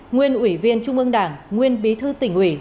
nguyên ủy viên trung ương đảng nguyên bí thư tỉnh ủy